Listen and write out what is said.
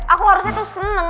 aku harusnya tuh seneng